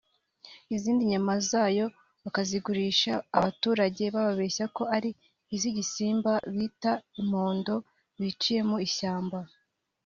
izindi nyama za yo bakazigurisha abaturage bababeshya ko ari iz’igisimba bita imondo biciye mu ishyamba